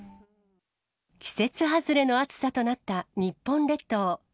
季節外れの暑さとなった日本列島。